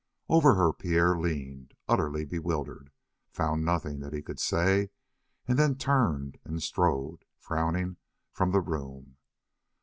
Over her Pierre leaned, utterly bewildered, found nothing that he could say, and then turned and strode, frowning, from the room.